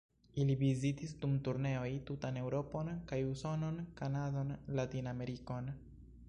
Ili vizitis dum turneoj tutan Eŭropon kaj Usonon, Kanadon, Latin-Amerikon.